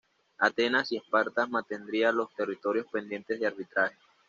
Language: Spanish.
Atenas y Esparta mantendrían los territorios pendientes de arbitraje.